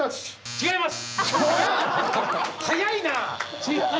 違います。